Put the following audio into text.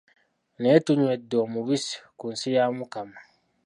Naye tunywedde omubisi ku nsi ya Mukama!